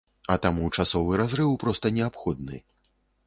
А таму часовы разрыў проста неабходны.